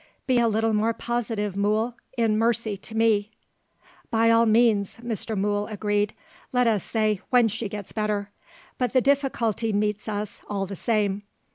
Be a little more positive, Mool, in mercy to me." "By all means," Mr. Mool agreed. "Let us say, when she gets better. But the difficulty meets us, all the same.